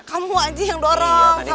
kamu aja yang dorong sama repva